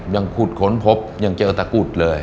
ยังคุดขนพบยังเจอตะกุฎเลย